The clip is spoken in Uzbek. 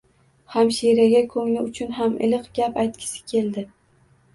Hamshiraga ko‘ngli uchun ham iliq gap aytgisi keldi.